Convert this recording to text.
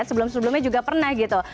sebelum sebelumnya juga pernah gitu